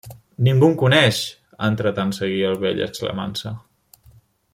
-Ningú em coneix!- entretant seguia el vell exclamant-se.